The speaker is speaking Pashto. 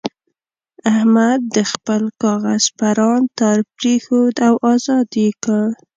احمد د خپل کاغذ پران تار پرېښود او ازاد یې کړ.